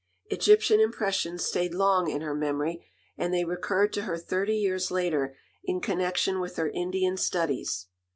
Egyptian impressions stayed long in her memory, and they recurred to her thirty years later in connection with her Indian studies.